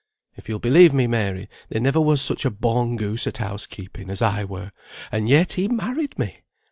"If you'll believe me, Mary, there never was such a born goose at house keeping as I were; and yet he married me!